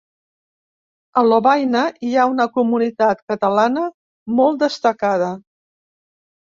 A Lovaina hi ha una comunitat catalana molt destacada.